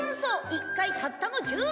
「１回たったの１０円！